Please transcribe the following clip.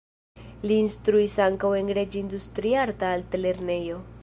Li instruis ankaŭ en Reĝa Industriarta Altlernejo.